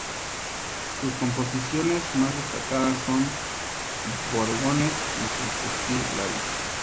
Sus composiciones más destacadas son bodegones y sus "still lives".